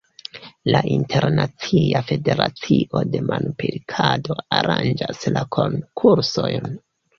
La Internacia Federacio de Manpilkado aranĝas la konkursojn.